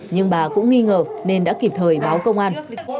nhưng bà cũng nghi ngờ nên đã kịp thời báo công an